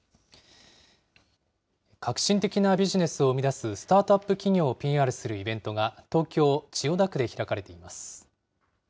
革新的なビジネスを生み出すスタートアップ企業をＰＲするイベントが、東京・千代田区で開かれています。